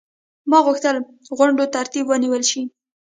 ما غوښتل غونډو ترتیب ونیول شي.